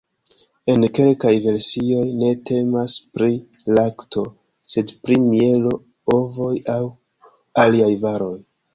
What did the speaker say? En kelkaj versioj ne temas pri lakto, sed pri mielo, ovoj aŭ aliaj varoj.